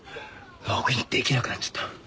ログインできなくなっちゃった。